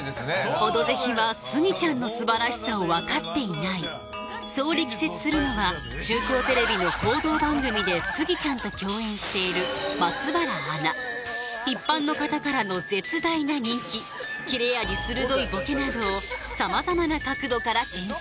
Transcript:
「オドぜひ」はスギちゃんの素晴らしさを分かっていないそう力説するのは中京テレビの報道番組でスギちゃんと共演している松原アナ一般の方からの絶大な人気切れ味鋭いボケなどをさまざまな角度から検証